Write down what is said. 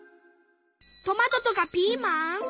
トマトとかピーマン？